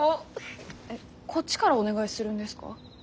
こっちからお願いするんですか？